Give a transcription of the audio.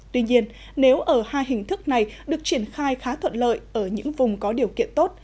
tuy nhiên nếu ở hai hình thức này được triển khai khá thuận lợi ở những vùng có điều kiện tốt